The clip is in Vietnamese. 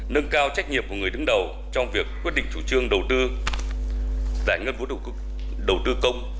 nâng cao trách nhiệm của người đứng đầu trong việc quyết định chủ trương đầu tư giải ngân vốn đầu tư công